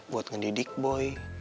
buat ngedidik boy